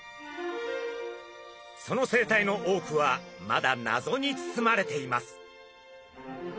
その生態の多くはまだ謎に包まれています。